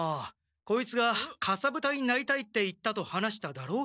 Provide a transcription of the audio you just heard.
こいつが「かさぶたになりたい」って言ったと話しただろう？